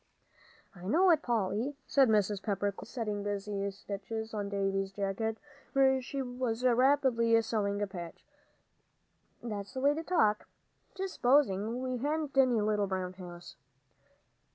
"I know it, Polly," said Mrs. Pepper, quickly, setting busy stitches on Davie's jacket, where she was rapidly sewing a patch, "that's the way to talk. Just supposing we hadn't any little brown house."